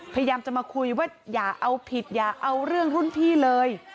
พยายามจะมาคุยว่าอย่าเอาผิดอย่าเอาเรื่องรุ่นพี่เลย